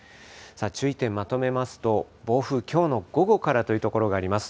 注意点、まとめますと、暴風、きょうの午後からという所があります。